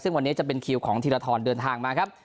ซึ่งวันนี้จะเป็นคิวของธีรทรเดินทางมาครับ